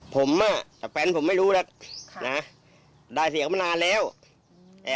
ผมอ่ะกับแฟนผมไม่รู้หรอกค่ะนะได้เสียงมานานแล้วอืม